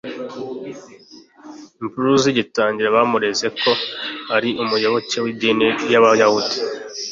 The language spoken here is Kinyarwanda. imvururu zigitangira, bamureze ko ari umuyoboke w'idini y'abayahudi